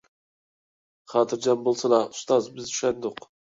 خاتىرجەم بولسىلا، ئۇستاز، بىز چۈشەندۇق.